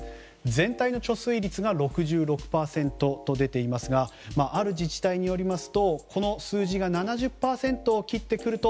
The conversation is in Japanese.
全体の貯水率が６６％と出ていますがある自治体によりますとこの数字が７０％を切ってくると